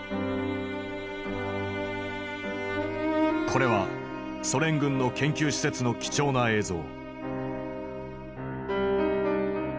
これはソ連軍の研究施設の貴重な映像。